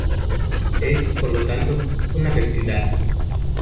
Es, por lo tanto, una peptidasa.